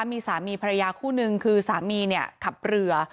มีสามีภรรยาคู่นึงคือสามีเนี่ยขับเรือ